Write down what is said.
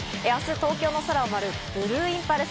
明日、東京の空を舞うブルーインパルス。